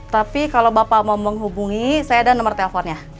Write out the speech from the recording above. tapi kalau bapak mau menghubungi saya ada nomor teleponnya